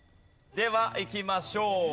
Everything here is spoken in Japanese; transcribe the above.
ではいきましょう。